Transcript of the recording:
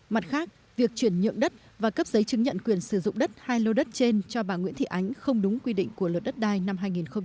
mặt khác việc chuyển nhượng đất và cấp giấy chứng nhận quyền sử dụng đất hai lô đất trên cho bà nguyễn thị ánh không đúng quy định của luật đất đai năm hai nghìn một mươi ba